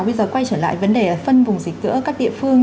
bây giờ quay trở lại vấn đề phân vùng dịch giữa các địa phương